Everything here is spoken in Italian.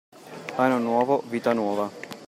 Anno nuovo, vita nuova.